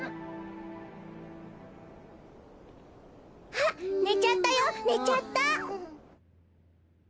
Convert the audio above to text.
あっねちゃったよねちゃった。